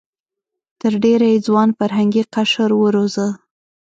تر ډېره یې ځوان فرهنګي قشر وروزه.